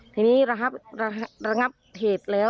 ทีนี้ระงับเหตุแล้ว